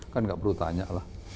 kan tidak perlu ditanyalah